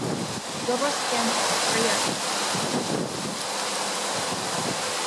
Roberts began his career in entertainment in his home town of New York City.